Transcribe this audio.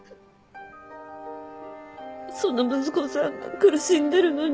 その息子さんが苦しんでるのに